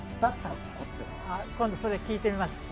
今度聞いてみます。